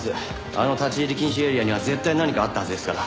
あの立ち入り禁止エリアには絶対何かあったはずですから。